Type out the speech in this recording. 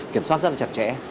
kiểm soát rất là chặt chẽ